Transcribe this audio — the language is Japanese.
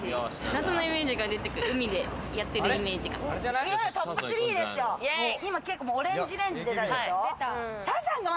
夏のイメージが出てくる、海でやってるイメージが。